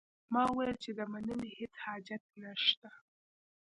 ما وویل چې د مننې هیڅ حاجت نه شته.